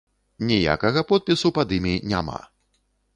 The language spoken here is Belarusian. Ніякага подпісу пад імі няма.